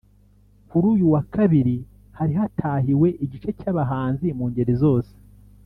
Kuri uyu wa Kabiri hari hatahiwe igice cy’abahanzi mu ngeri zose